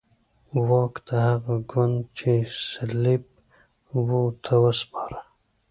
واک د هغه ګوند چې سلپيپ وو ته وسپاره.